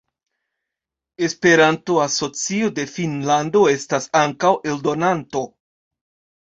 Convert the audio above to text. Esperanto-Asocio de Finnlando estas ankaŭ eldonanto.